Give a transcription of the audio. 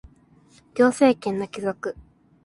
行政権の帰属